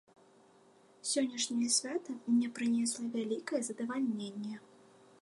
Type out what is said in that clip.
Сённяшняе свята мне прынесла вялікае задавальненне.